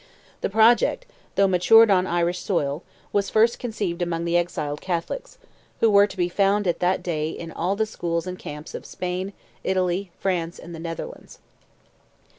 The project, though matured on Irish soil, was first conceived among the exiled Catholics, who were to be found at that day in all the schools and camps of Spain, Italy, France and the Netherlands.